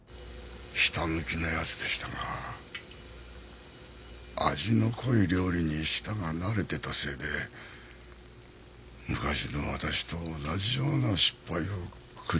ひたむきな奴でしたが味の濃い料理に舌が慣れてたせいで昔の私と同じような失敗を繰り返してました。